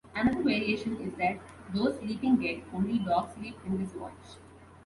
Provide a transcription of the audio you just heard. Another variation is that those sleeping get only 'dog sleep' in this watch.